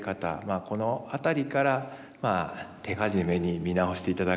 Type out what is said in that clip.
この辺りから手始めに見直して頂くと。